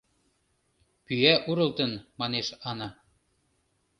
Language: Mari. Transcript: — Пӱя урылтын, — манеш Ана.